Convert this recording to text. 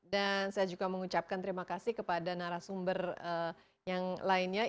saya juga mengucapkan terima kasih kepada narasumber yang lainnya